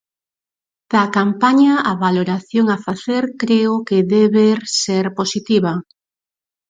Da campaña a valoración a facer creo que deber ser positiva.